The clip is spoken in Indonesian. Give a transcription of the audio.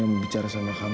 ini adalah izin hmm